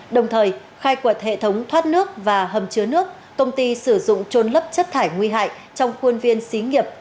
đồng thời khai quật hệ thống thoát nước và hầm chứa nước công ty sử dụng trôn lấp chất thải nguy hại trong khuôn viên xí nghiệp